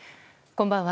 こんばんは。